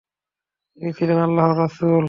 তিনি ছিলেন আল্লাহর রাসূল।